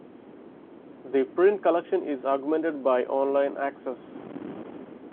The print collection is augmented by online access.